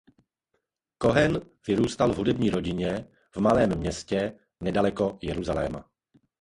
Kohen vyrůstal v hudební rodině v malém městě nedaleko Jeruzaléma.